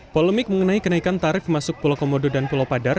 polemik mengenai kenaikan tarif masuk pulau komodo dan pulau padar